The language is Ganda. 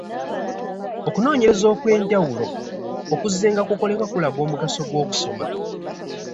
Okunoonyereza okw’enjawulo okuzzenga kukolebwa kulaga omugaso gw’okusoma.